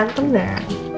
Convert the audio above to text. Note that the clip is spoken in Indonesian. saya ngantum deh